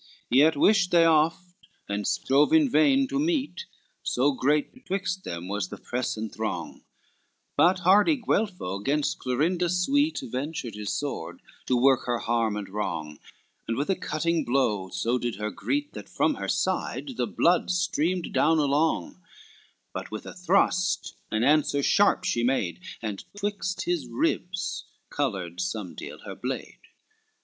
LXXII Yet wished they oft, and strove in vain to meet, So great betwixt them was the press and throng, But hardy Guelpho gainst Clorinda sweet Ventured his sword to work her harm and wrong, And with a cutting blow so did her greet, That from her side the blood streamed down along; But with a thrust an answer sharp she made, And 'twixt his ribs colored somedeal her blade.